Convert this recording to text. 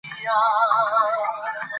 اجمل خټک دغه تشه په هنر ډکه کړه.